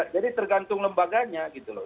jadi tergantung lembaganya gitu loh